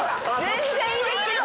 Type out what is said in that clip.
全然いいですけど。